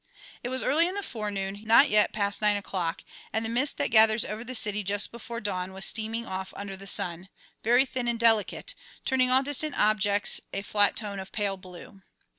It was early in the forenoon, not yet past nine o'clock, and the mist that gathers over the city just before dawn was steaming off under the sun, very thin and delicate, turning all distant objects a flat tone of pale blue.